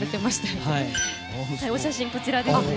お写真、こちらですね。